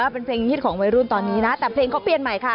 เป็นเพลงฮิตของวัยรุ่นตอนนี้นะแต่เพลงเขาเปลี่ยนใหม่ค่ะ